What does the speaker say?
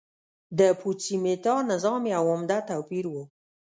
د پوتسي میتا نظام یو عمده توپیر و